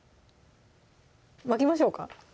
巻きましょうか？